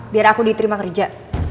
biar aku diterima kerja